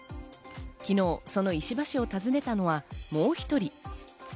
昨日その石破氏を訪ねたのはもう１人。